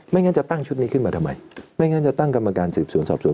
งั้นจะตั้งชุดนี้ขึ้นมาทำไมไม่งั้นจะตั้งกรรมการสืบสวนสอบสวน